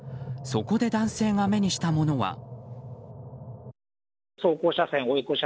そこで男性が目にしたものは。